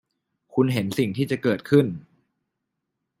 คุณเห็นสิ่งที่จะเกิดขึ้น